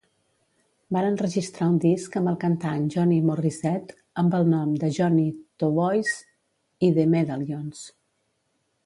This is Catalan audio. Van enregistrar un disc amb el cantant Johnny Morrisette, amb el nom de Johnny Twovoice i The Medallions.